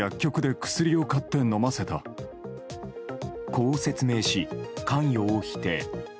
こう説明し、関与を否定。